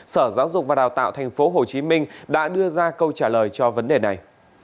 sở giáo dục và đào tạo thành phố hồ chí minh đã đưa ra câu trả lời cho vấn đề này